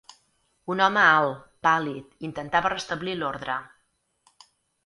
Un home alt, pàl·lid, intentava restablir l'ordre